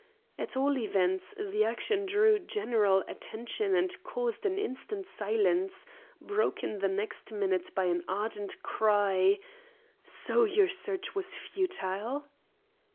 At all events, the action drew general attention and caused an instant silence, broken the next minute by an ardent cry: "So your search was futile?"